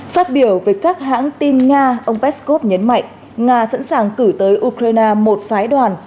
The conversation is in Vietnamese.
phát biểu với các hãng tin nga ông peskov nhấn mạnh nga sẵn sàng cử tới ukraine một phái đoàn